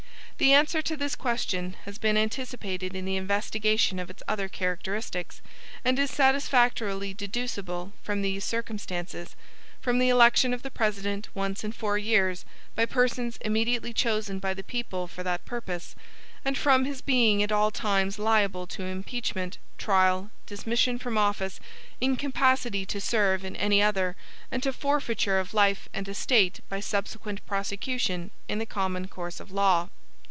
The answer to this question has been anticipated in the investigation of its other characteristics, and is satisfactorily deducible from these circumstances; from the election of the President once in four years by persons immediately chosen by the people for that purpose; and from his being at all times liable to impeachment, trial, dismission from office, incapacity to serve in any other, and to forfeiture of life and estate by subsequent prosecution in the common course of law.